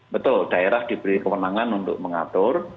betul daerah diberi kewenangan untuk mengatur